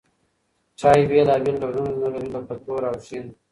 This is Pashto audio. چای بېلابېل ډولونه لري لکه تور او شین.